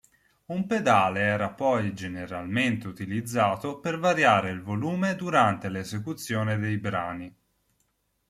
Un pedale era poi generalmente utilizzato per variare il volume durante l'esecuzione dei brani.